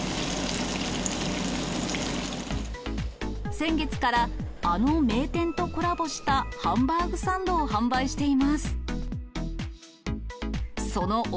先月からあの名店とコラボしたハンバーグサンドを販売しています。